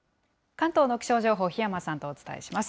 関東の気象情報、檜山さんとお伝えします。